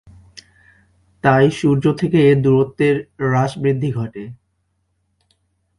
তাই সূর্য থেকে এর দূরত্বের হ্রাস বৃদ্ধি ঘটে।